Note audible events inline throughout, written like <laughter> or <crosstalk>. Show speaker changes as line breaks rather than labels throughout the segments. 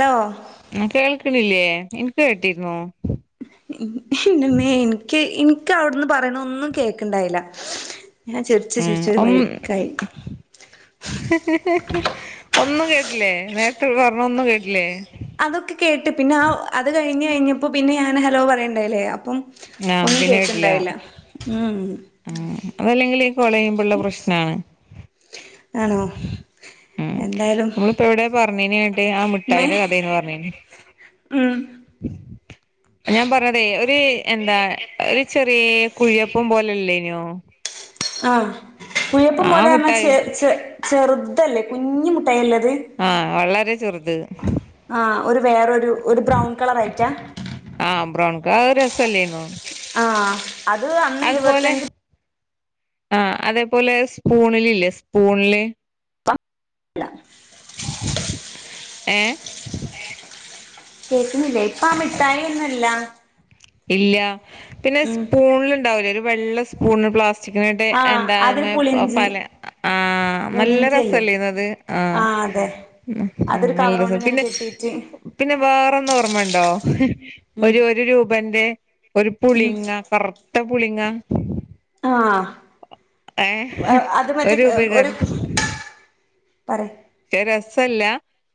Law
കേൾക്ണില്ലേ ഇൻക്ക് കേട്ടിര്നു
ങ്ഹ് ഇന്റമ്മേ ഇൻക്ക് ഇൻക്ക് അവിടന്ന് പറയണ ഒന്നും കേക്ണ്ടായില്ല
ഏഹ് ഒം
വഴിക്കായി
ഹ് ഹ് ഹ് ഒന്നും കേട്ട്ല്ലേ നേരത്തെ പറഞ്ഞൊന്നും കേട്ട്ല്ലേ
അതൊക്കെ കേട്ട് പിന്നെ ആഹ് അത് കഴിഞ്ഞഴിഞ്ഞപ്പോ പിന്നെ ഞാൻ ഹലോ പറയ്ണ്ടായില്ലേ അപ്പം
ആ
ഒന്നും കേക്ണ്ടായില്ല ഉം
അതല്ലെങ്കിലും ഈ കൊളെയ്യിം മ്ബോല്ലേ പ്രശ്നാണ്
ആണോ
ഉം
എന്തായാലും
ഇങ്ങള്പ്പെവിടെ പറഞ്ഞ്ഞിനങ്ങട്ട് ആ
മേ
മുഠായ്യിന്റെ കഥേണ് പറഞ്ഞീനു
ഉം
ഞാൻ പറഞ്ഞതേ ഒരു എന്താ ഒരു ചെറിയ കുഴിയപ്പം പോലെല്ലേനോ
ആ കുയപ്പം
ആ
പോലെഞ്ഞാ
മിഠായി
ചെ ചെ ചെറുതല്ലേ കുഞ്ഞു മുട്ടല്ലത്
ആഹ് വളരെ ചെറുത്
ആഹ് ഒരു വേറൊരു ഒരു ബ്രൗൺ കളർ ആയിട്ടാ
ആഹ് ബ്രൗൺക്ക് രസല്ലേനു
ആഹ് അത് അന്ന്
അതുപോലെ
ഇരുപത്തഞ്ച്
ആഹ് അതേപോലെ സ്പൂണില് ഇല്ലേ സ്പൂണില്
ല്ല
ഏഹ്
കേക്കുന്നില്ലേ ഇപ്പൊ ആ മിഠായൊന്നുല്ല
ഇല്ല പിന്നെ സ്പൂണില് ഇണ്ടാവൂലേ ഒരു വെള്ള സ്പൂണ് പ്ലാസ് ചിക്കനിട്ട്
ആഹ് അതൊരു
എന്താമ
പുളിഞ്ചി
പല ആഹ് നല്ല
പുളിഞ്ചിയല്ലേ
രസല്ലേന് അത് ആ
ആഹ് അതെ
ഉം
അതൊരു
നല്ല
കവറോണ്ട്
രസം
ഇങ്ങനെ
പിന്നെ
കെട്ടിട്ട്
പിന്നെ വേറൊന്ന് ഓർമ്മണ്ടോ
ഉം
ഒരു ഒരു രൂപേ ന്റെ ഒരു പുളിങ്ങ കറുത്ത പുളിങ്ങ
ആഹ്
ഏ
അത് മറ്റേ
ഒരു
ഒരു
രൂപയ്ക്കാരം
പറയ്
ക്ഷെ രസല്ല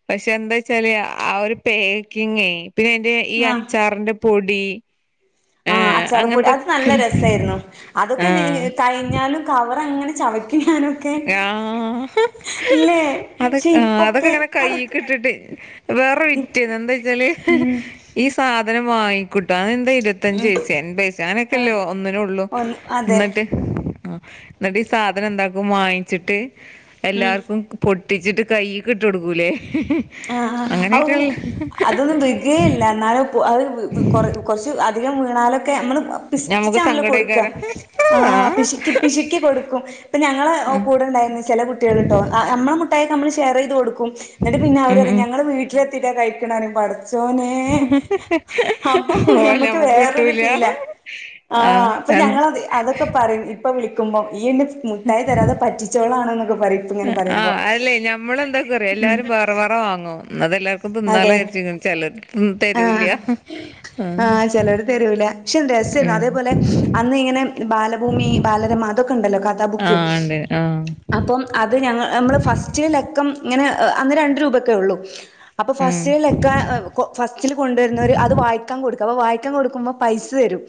പക്ഷെ എന്താ വച്ചാല് ആ ഒരു പേക്കിങ്ങേ പിന്നെ ഇത് ഈ
ആഹ്
അച്ചാറിന്റെ പൊടി
ആഹ്
ഏഹ്
അച്ചാറ്പ്പൊടി അത് നല്ല
അങ്ങനത്തൊക്കെ
രസമായിരുന്നു അതൊക്കെ
ആഹ്
കഴിഞ്ഞാലും കവർ അങ്ങനെ ചവയ്ക്കും ഞാനും
ആഹ് ഹ് ഹ് അതൊ
പക്ഷെ
അതൊക്കെ
ഇപ്പൊക്കെ
ഇങ്ങനെ കൈ
അതൊക്കെ
കിട്ടിട്ട് വേറെ വിറ്റ് എന്താ വെച്ചാല്
ഉം
ഈ സാധനം വാങ്ങിക്കൂട്ടാ അതെന്താ ഇ ഇരുപത്തഞ്ച്
ഉം
പൈസ അൻ പൈസ അങ്ങനൊക്കെല്ലേ
ആഹ്
ഒന്നിന് ഉള്ളൂ
ഒന്ന് അതെ
എന്നിട്ട് ന്നിട്ട് ഈ സാധനം എന്താക്കും വാങ്ങിച്ചിട്ട്
ഉം
എല്ലാർക്കും പൊട്ടിച്ചിട്ട് കൈയ്യീക് ട്ട് കൊടുക്കൂലേ
ആഹ് ആഹ് ഔ
അങ്ങനെയൊക്കെയുള്ള
അതൊന്നും വീകേല്ല എന്നാല അത് കുറച്ച് ധികം വീണാലൊക്കെ നമ്മള്
നമുക്ക്
പിശ്ക്കീട്ടാ
സങ്കടം
കൊട്ക്ക
ആയിക്കാരം ആ
ആഹ് പിശ്ക്കി പിശ്ക്കി ക്കെ കൊടുക്കും ഇപ്പൊ ഞങ്ങളെ
ഉം
കൂടെണ്ടായിരുന്നു ചില കുട്ടികൾ ട്ടോ നമ്മളെ മുട്ടായി നമ്മള് ഷെയർ ചെയ്ത് കൊടുക്കും എന്നിട്ട് പിന്നെ അവര്
ഉം
റയും
ഉം
ഞങ്ങള് വീട്ടിലെത്തിട്ടാ കഴിക്കണേ റഞ്ഞ് പാടും ച്ചോനെ അപ്പൊ
ഓലെ
ഞമ്മക്ക്
നമ്മുക്ക്
വേറൊരു
കിട്ടൂല
ഫീലാ ആഹ് അപ്പൊ ഞങ്ങളത് അതൊക്കെ പറയും ഇപ്പൊ വിളിക്കുമ്പോ ഈ ഇന്നെ മുട്ടായി തരാതെ പറ്റിച്ചോളാണ്ന്നൊക്കെ പറയും ഇപ്പ
ആ
ഇങ്ങനെ പറയുമ്പോ
ആഹ് അല്ലേ ഞമ്മള് എന്തൊക്കും അറിയോ എല്ലാരും വേറെ വേറെ വാങ്ങും എന്ന അതെല്ലാർക്കും
അതെ
തിന്നാലൊ വിചാരിച്ച് ചില
ആഹ്
തരൂല്യാ ആഹ്
തരൂല പക്ഷെ രസേന്ന്
ഉം
അതേപോലെ അന്ന് ഇങ്ങനെ ബാലഭൂമി ബാലരമ അതൊക്കെ ഉണ്ടല്ലോ കഥാബുക്ക്
ആഹ് ഇണ്ട് ആഹ്
അപ്പം അത് ഞങ്ങ നമ്മള് ഫസ്റ്റ ലക്കം ഇങ്ങനെ അന്ന് രണ്ട് രൂപഒക്കെ ഉള്ളൂ അപ്പൊ
ഉം
ഫസ്റ്റ്ലെ ലക്കം ഫസ്റ്റിൽ കൊണ്ടുവരുന്നോര് അത് വായിക്കാൻ കൊട്ക്കും അപ്പൊ വായിക്കാൻ കൊടുക്കുമ്പോ പൈസ തരും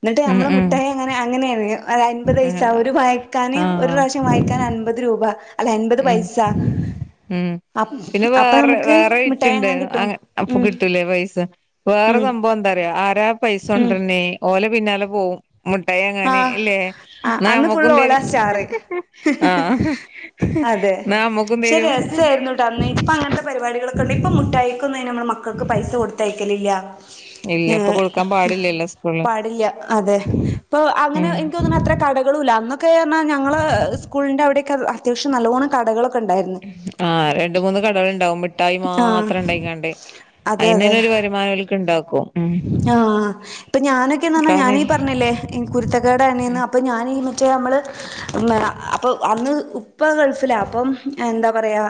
ഇന്നിട്ട്
ഉം
നമ്മൾ
ഉം
മുട്ടായി വാങ്ങാന് അങ്ങനെന്ന് അൻപത് പൈസ
ആഹ്
ഒരു വായക്കാന് ഒരു പ്രാശ്യം വായി കാൻ
ആഹ്
അൻപത് രൂപ അല്ല അമ്പത്
ഉം
പൈസ
ഉം
അ
പിന്നെ
അപ്പൊ
വേറെ
നമുക്ക്
വേറെ
മിഠായി
വിറ്റ്ണ്ട്
വാങ്ങാൻ
അ
കിട്ടും
അപ്പൊ
ഉം
കിട്ടൂലേ പൈസ വേറെ
ഉം
സംഭവം എന്താ അറിയോ ആരാ പൈസ
ഉം
കൊണ്ടര്ണ്ണ് ഓലെ പിന്നാലെ പോവും മുട്ടായി വാങ്ങാന്
ആഹ്
ഇല്ലേ
ആഹ്
ഇന്നാ
അന്ന് ഫുള്ള്
നമ്മക്കും
ഓലാ
തെരും
സ്റ്റാറ്
ആഹ ഇന്നാ നമ്മക്കും തരും
പൈസ ആയിരുന്നുട്ടാ അന്ന് ഇപ്പൊ അങ്ങനത്തെ പരിപാടികളൊക്കെണ്ട് ഇപ്പ മുട്ടായിക്കൊന്നും അയിന് നമ്മൾ മക്കൾക്ക് പൈസ കൊടുത്തയക്കലില്ല
ഇല്ല ഇപ്പൊ
ഏഹ്
കൊടുക്കാൻ പാടില്ലല്ലോ സ്കൂളില്
പാടില്ല അതെ ഇപ്പൊ അങ്ങനെ
ഉം
ഇനിക്കോന്ന്ണ് അത്ര കടകളും ഇല്ല അന്നൊക്കെ പറഞ്ഞാൽ ഞങ്ങള് സ്കൂളിന്റെ അവിടെക്ക അത്യാശ്യം നല്ലോണ്ണം കടകളൊക്കെ ഉണ്ടായിരുന്നു
ആ രണ്ട് മൂന്ന് കടകൾ ഉണ്ടാവും മിഠായി
ആഹ്
മാത്രം ഇണ്ടായികാണ്ട്
അതെ
അയിന്നെനെ ഒരു വരു മാനം ഓൽക്ക്ണ്ടാക്കും
ആഹ ഇപ്പൊ ഞാനൊക്കെന്ന് പറഞ്ഞാ
കാരണം
ഞാനീ പറഞ്ഞില്ലേ കുരുത്തക്കേടാണ്ന്ന്
ഉം
അപ്പോൾ ഞാൻ ഈ മറ്റേ നമ്മൾ അപ്പ അന്ന് ഇപ്പ ഗൾഫിലാ അപ്പം എന്താ പറയാ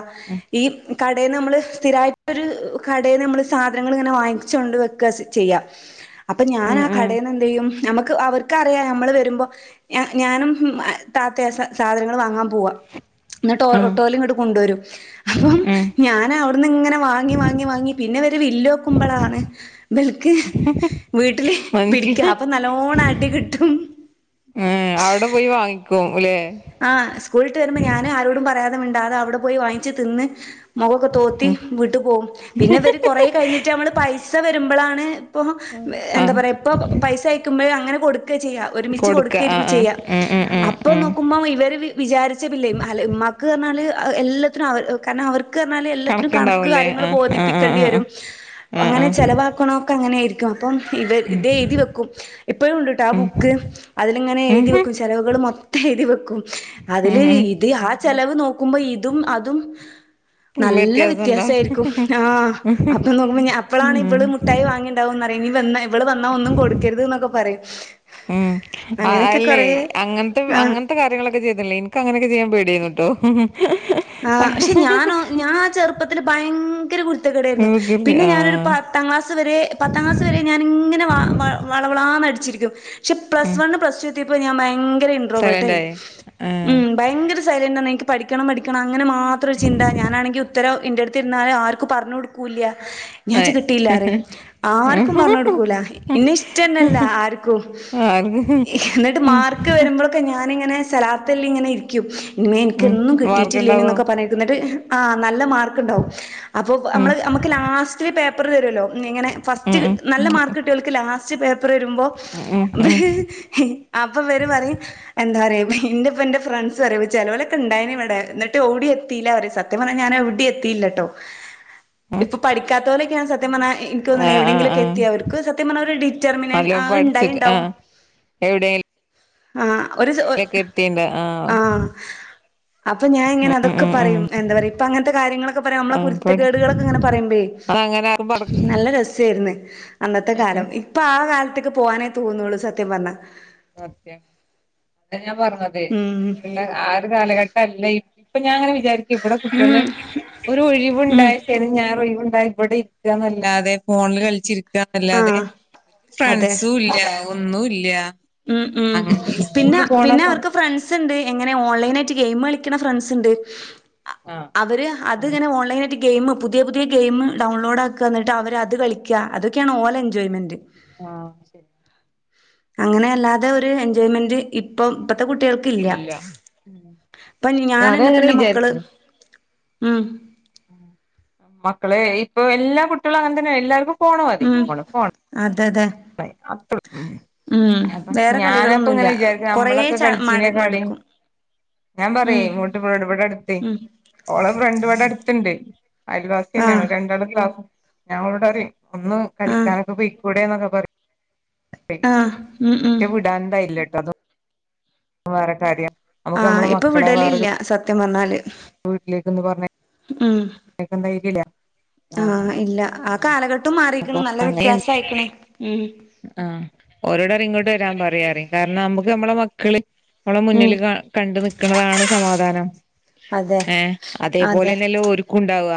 ഈ കടേന്ന് നമ്മൾ സ്ഥിരമായിട്ടൊരു കടേന്ന് നമ്മൾ സാധനങ്ങൾ ഇങ്ങനെ വാങ്ങിച്ചുകൊണ്ട് വയ്ക്കാ ചെ ചെയ്യാ അപ്പൊ ഞാൻ
ഉം
ആ
ഉം
കടേന്ന് എന്ത് ചെയ്യും നമുക്ക് അവർക്ക്റിയാ നമ്മള് വരുമ്പോ ഞാനും താത്തയാ സാധനങ്ങൾ വാങ്ങാൻ പോവാ ഇന്നിട്ട്
ഉം ഉം
ഓട്ടോലിങ്ങട്ട് കൊണ്ടുവരും അപ്പം
ഉം
ഞാനാ അവിട്ന്ന് ഇങ്ങനെ വാങ്ങി വാങ്ങി വാങ്ങി പിന്നെ ഇവര് വില്ലോക്കുമ്പളാണ് ഇബൽ ക്ക് വീട്ടിൽ
മനസ്സില
പിടിക്കാ അപ്പം നല്ലോണ്ണം അടി കിട്ടും
ഏഹ് അവിടെ പോയി വാങ്ങിക്കും ലെ
ആ സ്കൂളിട്ട് വരുമ്പോ ഞാന് ആരോടും പറയാതെ മിണ്ടാതെ അവിടെ പോയി വാങ്ങിച്ച് തിന്ന് മൊകം ഒക്കെ തോത്തി
ഉം
വീട്ട് പോവും പിന്നെ ഇവര് കുറേ കഴിഞ്ഞിട്ട് നമ്മള് പൈസ വരുമ്പളാണ് ഇപ്പോൾ എന്താ
ആഹ്
പറയ ഇപ്പ പൈസ അയക്കുമ്പഴ് അങ്ങനെ കൊടുക്കാ ചെയ്യാ ഒരുമിച്ച്
കൊടുക്ക
കൊടുക്കേരിക്കും
ആഹ്
ചെയ്യ
ആഹ്
അപ്പൊ
ഉം ഉം ഉം
നോ
ഉം
ക്കുമ്പോ ഇവര് വിചാരിച്ച ബില്ല് അല്ല ഉമ്മാക്ക് പറഞ്ഞാല് എല്ലാത്തിനും അവർ കാരണം അവർക്ക് ക്ക് പറഞാല് എല്ലാത്തിനും കണക്ക്
കണക്കുണ്ടാവുംല്ലേ
കാര്യങ്ങൾ
ആഹ് ആഹ് ആഹ്
ബോധിപ്പിക്കേണ്ടി വെരും
ആഹ് ആഹ് ആഹ്
അങ്ങനെ
ആഹ്
ചെലവാക്കണൊ ക്ക അങ്ങനെ ആയിരിക്കും അപ്പം ഇവ ഇത് എയ്തി വെക്കും ഇപ്പഴും ഇണ്ട് ട്ടാ ആ
ഉം
ബുക്ക് അതിലിങ്ങനെ
ഉം
എഴുതി
ഹും
വെക്കും ചെലവുകൾ മൊ വെക്കും അതില്
ഉം ഉം
ഇത് ആ ചെലവ് നോക്കുമ്പോ ഇതും അതും നല്ല
വ്യത്യാസണ്ടോ
വ്യത്യാസായ്രിക്കും ആഹ് അപ്പൊ നോക്കുമ്പോ ഞ അപ്പളാണ് ഇവള്
ഉം
മുട്ടായി വാങ്ങി വാങ്ങുന്നറിണ് ഇനി വന്ന് ഇവള് വന്നാ ഒന്നും കൊടുക്കരുത് ന്നൊക്കെ പറയും
ഉം
അങ്ങനെയൊക്കെ
അല്ലേ
കൊറേ
അങ്ങനത്തെ കാര്യങ്ങളൊക്കെ
ആഹ്
അങ്ങനത്തെ കാര്യങ്ങൾ ചെയ്തില്ലേ ഇനിക്ക് അങ്ങനൊക്കെ ചെയ്യാൻ പേടിയേന്നു ട്ടോ
ആ ക്ഷെ ഞാനോ ഞാൻ ആ ചെറുപ്പത്തിൽ ഭയങ്കര കുരുത്തക്കേടേരുന്നു പിന്നെ ഞാനൊരു പ പത്താം ക്ലാസ് വരെ പത്താം ക്ലാസ് വരെ ഞാൻ ഇങ്ങനെ വളവളാന്നടിച്ചിരിക്കും പക്ഷെ പ്ലസ്
ഉം
വണ് പ്ലസ് ടു എത്തിപ്പ ഞാൻ ഭയങ്കര
സൈലന്റ്
ഇൻറ്രോവേർട്ടായി
ആയേ
ഉം
ആഹ്
ഭയങ്കര സൈലന്റെന് എനിക്ക് പഠിക്കണം പഠിക്കണം അങ്ങനെ മാത്രം ചിന്ത ഞാനാണെങ്കിൽ ഉത്തര ഇന്റ ടുത്തിരുന്നാല ആർക്ക് പറഞ്ഞു കൊടു കൂല്യ ഞാ
അതെ
ച്ച്കിട്ടിയില്ലറയും ആർക്കും പറഞ്ഞ കൊടുക്കൂല ഇന്നെ ഇഷ്ടന്നല്ല ആർക്കും
ആർക്ക്
എന്നിട്ട്
ഉം
മാർക്ക് വരുമ്പോ ക്ക് ഞാനിങ്ങനെസൊലാത്ചൊല്ലിങ്ങനെ ഇരിക്കും ഇമ്മേ
ഉം
എനിക്കന്നും കിട്ടീട്ടില്ലേനു
മാർക്ക്ണ്ടാവോ
ന്നൊക്കെ പറഞ്ഞിട്ട്- ഞ് ന്നിട്ട് ആ നല്ല മാർക്ക് ഉണ്ടകും അപ്പോ നമ്മൾ
ഉം
നമ്മ ക്ക് ലാസ്റ്റില് പേപ്പർ തരോല്ലോ ഇങ്ങനെ ഫസ്റ്റ്
ഉം ഉം
നല്ല മാർക്ക് കിട്ട്യോല്ക് ലാസ്റ്റ് പേപ്പർ തരുമ്പോ
ഉം ഉം ഉം
അപ്പൊ ഇവര് പറയും എന്താറയ എന്റെപ്പൊ എന്റെ ഫ്രണ്ട്സ് പറയും ചെലൊലൊക്കെഉണ്ടായിന്ന് വിടെ ന്നിട്ട് എവിടിം എത്തിയില്ല പറയും സത്യം പറഞ്ഞാൽ ഞാൻ എവിടിം എത്തിയില്ലട്ടോ ഇപ്പൊ പഠിക്കാത്ത പോലൊെക്കെയാണ് സത്യം പറഞാ എനിക്ക്തോന്നണത്
ആഹ് ആഹ്
എവിടെയെങ്കിലൊക്കെ
ആഹ്
എത്തിയത് അവർക്ക് സത്യം പറഞ്ഞ ഒരു ഡിറ്റർമിനേഷൻ ആഹ് ണ്ടായി ണ്ടാവും
എവിടെയ
ആ ഒരു ചോ ആഹ് അപ്പ ഞാന
ഉം
ഇങ്ങനെതൊക്കെ
ഉം ഉം
പറയും എന്താ പറയാ ഇപ്പ അങ്ങനത്തെ കാര്യങ്ങളക്കെ പറയും നമ്മള കുരുത്തക്കേടുകളൊക്കെങ്ങെ പറയുംപേ
ആ <unintelligible>
നല്ല രസേരുന്നു അന്നത്തെ കാലം ഇപ്പൊ ആ കാലത്തേക്ക് പോവാനേ തോന്നുന്നുള്ളൂ സത്യം പറഞ്ഞ
സത്യം ഇതാഞാ പറഞ്ഞത്
ഉം
അങ്ങനെയുള്ള ആ ഒരു കാലഘട്ട അല്ല ഇപ്പൊ ഞാൻ അങ്ങനെ വിചാരിക്കും ഇവിടെ കുട്ടികള്
ഉം
ഒരു
ഉം
ഒഴിവുണ്ടായി ശനി ഞായർ ഒഴിവുണ്ടായിക്കോട്ടെ ഇവിടെ ഇരിക്കന്നല്ലാതെ ഫോണിൽ കളിച്ചിരിക്ക ന്നല്ലാതെ
ആഹ്
ഫ്രണ്ട്സും ഇല്ല ഒന്നും ഇല്ല
ആഹ് ആഹ്
അങ്ങനെ സ്കൂളിൽ
പിന്നെ
പോണ
പിന്നെ
സം
അവർക്ക് ഫ്രണ്ട്സ് ഉണ്ട് എങ്ങനെ ഓൺലൈൻനായിട്ട് ഗെയിം കളിക്കുന്ന ഫ്രണ്ട്സ് ഉണ്ട്
ആ
അവര്
അങ്ങനെ
അതുങ്ങനെ ഓൺലൈനായിട്ട് ഗെയിം പുതിയ പുതിയ ഗെയിം ഡൗൺലോഡ് ആക്കുക എന്നിട്ട് അവര് അത് കളിക്കുക അതൊക്കെയാണ് ഓലെ എൻജോയ്മെന്റ്
ആഹ് ശരി
അങ്ങനെയല്ലാതെ ഒരു എൻജോയ്മെന്റ് ഇപ്പം ഇപ്പത്തെ കുട്ടികൾക്ക് ഇല്ല പ്പം
ഞാനും
ഞാനന്നെപ്പ
അങ്ങനെ
ന്റെ മക്കള്
വിചാരിക്കും
ഉം
മക്കളെ ഇപ്പൊ എല്ലാ കുട്ടികളും അങ്ങനെ തന്നെയാ എല്ലാവർക്കും ഫോണ് മതി
ഉം
ഫോണ് ഫോൺ
അതെ അതെ ഉം വേറെ
<unintelligible> ഞാനപ്പൊ
കളികളൊന്നുല്ല
ഇങ്ങനെ വിചാരി ക്കും
കൊറേ
നമ്മളൊക്കെ
ച മട്
കളിച്ചീനേ കളി
മടുക്കും
ഞാൻ പറയാ
ഉം
ഇങ്ങോട്ട് വാ ഇവിടെടുത്തു
ഉം
ഓളെ ഫ്രണ്ട് ഇവിടെ അടുതുണ്ട് അയൽവാസി തന്നെയ
ആഹ്
രണ്ടാളും ഒരേ ക്ലാസ്സിലാ ഞാൻ അവളോട്‌ പറയും ഒന്ന്
ആഹ്
കളിക്കാനൊക്കെ പോ യിക്കൂടെ എന്നൊക്കെ പറയും
ആഹ് ഉം
പക്ഷെ
ഉം
വിടാൻണ്ടായില്ലട്ടോ അത വേറെ കാര്യം
ആ
നമുക്ക് നമ്മളെ
ഇപ്പൊ വിടലില്ല സത്യം പറഞ്ഞാല്
വീട്ടിലേക്കൊന്ന് പറഞ്ഞയ
ഉം
പ്പം ധൈര്യല്ല
ആഹ് ഇല്ല ആ കാലഘട്ടം
അപ്പൊ
മാറിക്കുണ് നല്ല
അങ്ങനെയുണ്ട്
വ്യത്യാസം ആയി ക്ക് ണ് ഉം
ആഹ് ഓലോഡ് പറയും ഇങ്ങോട്ട് വരാൻ പറയ് പറയും കാരണം നമ്മുക്ക് നമ്മളെ മക്കള് നമ്മളെ മുന്നിൽ
ഉം
കാ കണ്ടു നിക്കണതാണ് സമാധാനം
അതെ
ഏഹ്
അതെ
അതേപോലെന്നെല്ലോ ഓല്ക്കും ഉണ്ടാവുക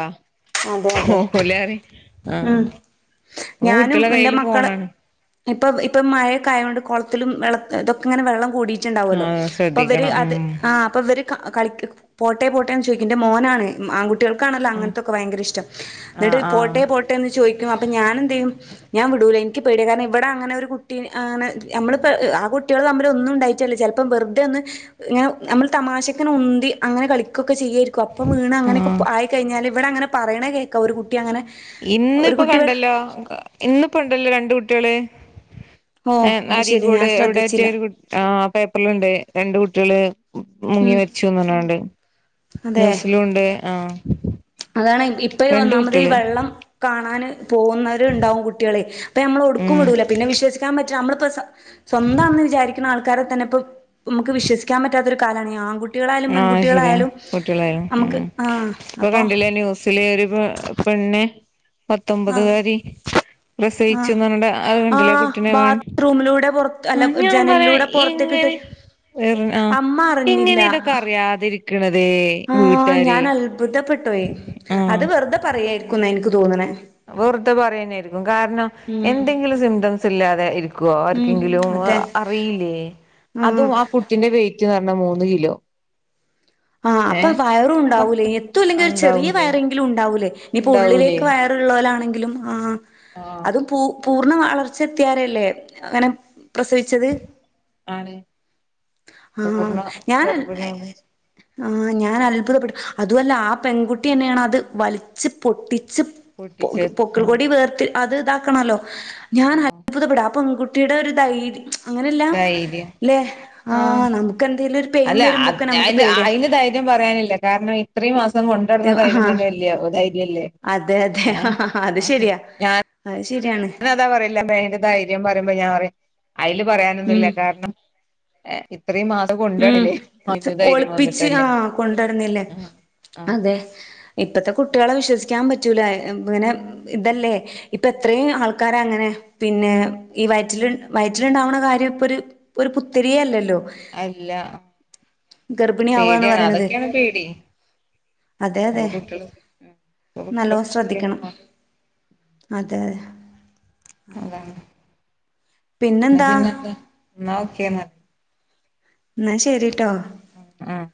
അതെ അതെ
ഓല് ആഹ
ഉം
ഓ
ഞാനും
കുട്ടികളെ
എന്റെ
കയ്യിൽഫോ
മക്കള്
ണാണ്
ഇപ്പൊ ഇപ്പം മഴയൊക്കെ ആയോണ്ട് കൊളത്തിലും വെള്ള ഇതൊക്കെങ്ങനെ വെള്ളം കൂടിട്ട് ഇണ്ടാവൊല്ലോ
ആഹ്
അപ്പൊ ഇവര്
ശ്രദ്ധിക്കണം
അത്
ഉം
ആഹ് അപ്പൊ ഇവര് കളിക്കാൻ പോട്ടേ പോട്ടേന്ന് ചോയ്ക്കും ഇന്റെ മോനാണ് ആൺ കുട്ടികൾക്കാണല്ലോ
ഉം
അങ്ങനെ ത്തൊക്കെ ഭയങ്കര ഇഷ്ടം എന്നിട്ട്
ആഹ് ആഹ്
പോട്ടേ പോട്ടെ എന്ന് ചോയ്ക്കും അപ്പൊ ഞാനെന്ത് ചെയ്യും ഞ്ഞാം വിടൂല ഇനിക്ക് പേടിയ കാരണം ഇവിടെ അങ്ങനെ ഒരു കുട്ടി അങ്ങനെ ആ കുട്ടികള് തമ്മിൽ ഒന്നും ഉണ്ടായി ട്ടല്ല ചെലപ്പോ വെറുതെ ഒന്ന് ഇങ്ങനെ നമ്മള് തമാശക്കൊന്നു ഉന്തി അങ്ങനെ കളി ക്കൊക്കെ ചെയ്യുവായിരിക്കും അപ്പം വീണ അങ്ങെനെക്കെ
ആഹ്
ആയിക്കഴിഞ്ഞാല് ഇവടങ്ങനെ പറയ്ണേ കേക്കാം ഒരു കുട്ടി അങ്ങനെ
ഇന്ന്
ഒരു
ഇപ്പോ
കുട്ടി ഇവിടെ
കണ്ടല്ലോ ഇന്ന്പ്പോ ഇണ്ടല്ലോ രണ്ട് കുട്ടികള്
ഓ
ഏം
അത് ശരി
അരീക്കോട്
ഞാൻ
എവിടെയെറ്റെ
ശ്രദ്ധിച്ചില്ല
ഒരു കു ആഹ് പേപ്പറ്ല്ണ്ട് രണ്ട് കുട്ടികള് മുങ്ങി
ഉം
മരിച്ചൂന്ന് പറഞ്ഞുങ്ങാണ്ട്
അതെ
ന്യൂസിലുംണ്ട് ആഹ്
അതാണ് ഇപ്പയി
രണ്ട്
ഒന്നാമത് ഈ
കുട്ടികള്
വെള്ളം കാണാന് പോകുന്നവര് ഇണ്ടാകും കുട്ടികള് ഇപ്പൊ നമ്മള് ഒവ്ട്ക്കും
ഉം
വിടൂല്ല പിന്നെ വിശ്വസിക്കാൻ പറ്റ്ണ നമ്മളിപ്പോ സ്വ സ്വന്താണെന്ന് വിചാരിക്കുന്ന ആൾക്കാരെ തന്നെ ഇപ്പോ നമുക്ക് വിശ്വസിക്കാൻ പറ്റാത്തൊരു കാലമാണ് ഈ ആൺകുട്ടി
ആഹ് അത് ശരിയാ കുട്ടികളെ
നമുക്ക്
ഉം
ആഹ്
ഇപ്പൊ
അപ്പൊ
കണ്ടില്ലേ ന്യൂസി ല് ഒരു പെണ്ണ് പത്തൊമ്പതു
ആഹ്
കാരി
ആഹ്
പ്രസവിച്ചൂന്ന് പറഞ്ഞിട്ട് അഹ് കണ്ടില്ലേ ആ
ആഹ്
കുട്ടിനെ വാങ്ങി
ബാത്റൂമിലൂടെ പുറത്ത് അല്ല
ആ ഞാൻ പറയാ
ജനലിലൂടെ
ഈ
പുറത്തേക്കിട്ട്
എങ്ങനെ ആ
അമ്മ
എങ്ങനെ ഇതൊക്കെ
അറിഞ്ഞില്ല
അറിയാതിരിക്ക്ണത്
ആഹ്
വീട്ടാര്
ഞാൻ അത്ഭുതപ്പെട്ടോയി
ആഹ്
ക്കും ന്നാ ഇനിക്ക് തോന്നണെ
വെറുതെ പറയേന്നായിരിക്കും കാരണം
ഉം
എന്തെങ്കിലും സിംറ്റംസ് ഇല്ലാതെ ഇരിക്കോ?
ഉം
ആർക്കെങ്കിലും
അതെ
അറിയില്ലേ?
ഉം
അതും ആ കുട്ടിന്റെ വെയിറ്റ് പറഞ്ഞാ മൂന്ന് കിലോ
ആഹ്
ഏ
അപ്പം വയറും
അപ്പൊ
ഉണ്ടാവൂല്ലേ? എത്തും അല്ലെങ്കിലും ഒരു ചെറിയ
ഉണ്ടാവൂലേ
വയറെ ങ്കിലും ഉണ്ടാവൂല്ലേ ഇനിയിപ്പോ
ഉണ്ടാവൂലേ
ഉള്ളിലേക്ക് വയറുള്ളവരാണെങ്കിലും ആ
ആ
അതും പൂ പൂർണ്ണ വളർച്ചെത്തിയാരല്ലേ ഇങ്ങനെ പ്രസവി ച്ചത്?
ആണ്
ആ
പൂർണ്ണ
ഞന്
ഗർഭിണിയ
ആഹ് ഞാൻ അത്ഭുതപ്പെട്ടു അതവല്ല ആ പെൺകുട്ടി തന്നെയാണ് അത് വലിച്ച് പൊട്ടിച്ച് പൊ
പൊട്ടിച്ചത് ആ
പൊക്കിൾകൊടി വേർത്തി അത് ഇതാക്കണല്ലോ? ഞാൻ
ആ
അത്ഭുതപ്പെട്ട് ആ പെൺകുട്ടിയുടെ ഒരു ധൈര്യം അങ്ങനെല്ല
ധൈര്യം
ഇല്ലെ? ആ നമുക്ക് എന്തേലും ഒരു പെയിൻ
അല്ല അത്
വരുമ്പോക്കെന്നെ നമുക്ക്
അതിന്
പേടിയ
അതിന് ധൈര്യം പറയാനില്ല കാരണം <unintelligible> ഇത്രയും മാസം കൊണ്ട് നട്ന്ന ധൈര്യം തന്നെയില്യ അപ്പൊ ധൈര്യല്ലേ?
അതെ
ഏഹ് ഞാൻ
അഹ് ശരിയാണ്
ഞന് അതാ പറയല് അയിന്റെ ധൈര്യം പറയുമ്പം ഞാൻ പറയും അയില്
ഉം
പറയാനൊന്നൂല്യ കാരണം ഏഹ് ഇത്രയും മാസം
ഉം
കൊണ്ടുനടന്നില്ലേ അതിന് ധൈര്യം
ഒളിപ്പിച്ച് ആ
വന്നിട്ടല്ലേ
കൊണ്ടട്ന്നില്ലേ?
ആഹ് ആഹ്
അതെ ഇപ്പത്തെ കുട്ടികളെ വിശ്വസിക്കാൻ പറ്റൂല ഇങ്ങനെ ഇതല്ലേ ഇപ്പൊ എത്രേ ആൾക്കാര അങ്ങനെ പിന്നെ ഈ വയറ്റില് വയറ്റിലുണ്ടാവണ കാര്യം ഇപ്പൊരു ഇപ്പൊരു പുത്തിരിയെ അല്ലല്ലോ?
അല്ല
ഗർഭിണിയാവാന്ന്
പേടിയാണ്
പറയ്ണത്
അതൊക്കെയാണ് പേടി
അതെ അതെ
അപ്പൊ കുട്ടികള് ഉം അപ്പൊ കുട്ടികളെ
നല്ലോണം
ശ്രദ്ധിക്കന്നെ
ശ്രദ്ധിക്കണം
വേണം
അതെ
അതാണ് ഇന്ന പിന്നെന്താ ഇന്ന ഓക്കെന്ന
ഇന്ന ശരിട്ടോ?
ആഹ്